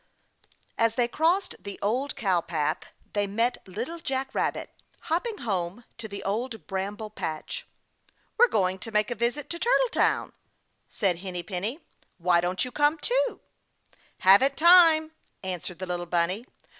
As they crossed the Old Cow Path they met Little Jack Rabbit hopping home to the Old Bramble Patch. "We're going to make a visit in Turtle Town," said Henny Penny. "Why don't you come, too?" "Haven't time," answered the little bunny.